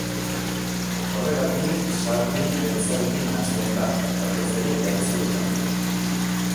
Horregatik, sarri beltzarekin nahasten da, batez ere jantzietan.